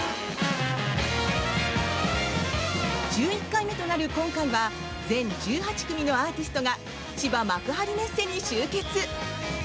１１回目となる今回は全１８組のアーティストが千葉・幕張メッセに集結。